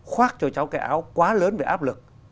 khoác cho cháu cái áo quá lớn về áp lực